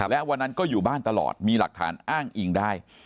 และวันนั้นก็อยู่บ้านตลอดมีหลักฐานอ้างอิงได้